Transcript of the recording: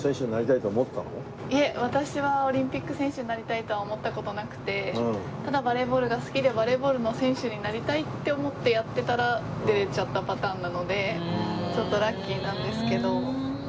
いえ私はオリンピック選手になりたいとは思った事なくてただバレーボールが好きでバレーボールの選手になりたいって思ってやってたら出れちゃったパターンなのでちょっとラッキーなんですけど。